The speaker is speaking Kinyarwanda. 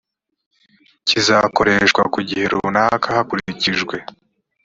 kizakoresha ku gihe runaka hakurikijwe